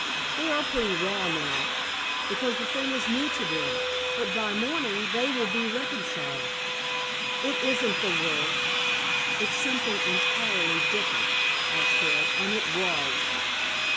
They are pretty raw now, because the thing is new to them, but by morning they will be reconciled." "It isn't the work; it is something entirely different," I said. And it was.